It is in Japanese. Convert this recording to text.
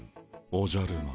おじゃる丸！